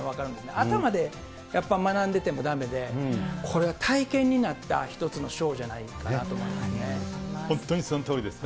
頭で学んでてもだめで、これは体験になった一つのショーじゃない本当にそのとおりですね。